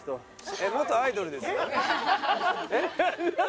えっ元アイドルですよ。